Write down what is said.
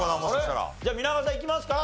じゃあ皆川さんいきますか？